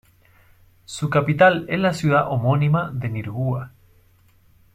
Su capital es la ciudad homónima de Nirgua.